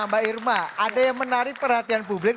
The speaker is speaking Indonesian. mbak irma ada yang menarik perhatian publik